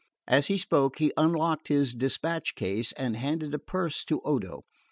As he spoke, he unlocked his despatch box and handed a purse to Odo.